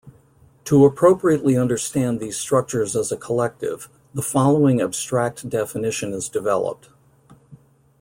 To appropriately understand these structures as a collective, the following abstract definition is developed.